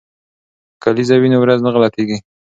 که کلیزه وي نو ورځ نه غلطیږي.